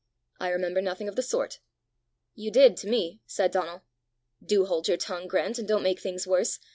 "I remember nothing of the sort." "You did to me!" said Donal. "Do hold your tongue, Grant, and don't make things worse.